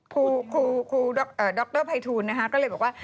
คุณคุณคุณดรไพทูนนะคะก็เลยบอกว่า